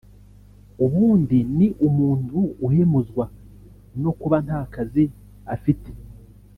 ubundi ni umuntu uhemuzwa no kuba nta kazi afite